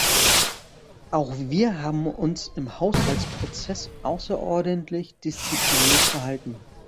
Auch wir haben uns im Haushaltsprozess außerordentlich diszipliniert verhalten.